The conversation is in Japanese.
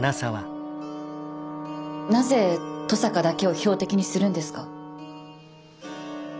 なぜ登坂だけを標的にするんですか？